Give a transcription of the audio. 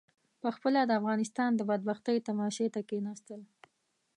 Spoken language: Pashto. پخپله د افغانستان د بدبختۍ تماشې ته کېنستل.